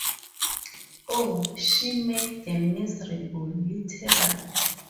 Oh, she made them miserable, literally!